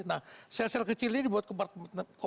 nah sel sel kecilnya dibuat kompartmentasi